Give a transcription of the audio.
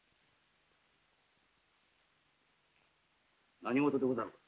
何事でござるか。